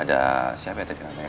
ada siapa ya tapi namanya